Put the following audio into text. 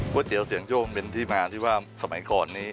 เตี๋ยวเสียงโย่งเป็นที่มาที่ว่าสมัยก่อนนี้